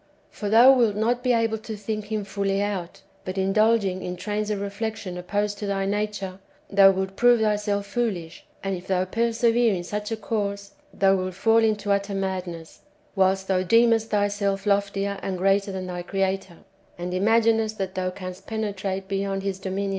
For thou wilt not be able to think Him fully out, but, indulg ing in trains of reflection opposed to thy nature, thou wilt prove thyself foolish ; and if thou persevere in such a course, thou wilt fall into utter madness, whilst thou deemest thyself loftier and greater than thy Creator, and imaginest that thou canst penetrate beyond His dominions.